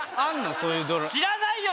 そういうドラ知らないよ